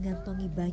yang perasa ini